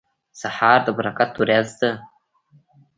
سهار د برکت وریځ ده.